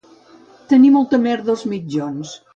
Tenir molta merda als mitjons